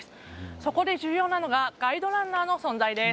そこで重要なのがガイドランナーの存在です。